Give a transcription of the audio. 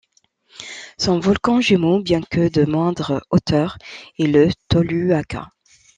Son volcan jumeau, bien que de moindre hauteur, est le Tolhuaca.